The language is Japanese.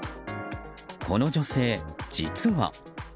この女性、実は。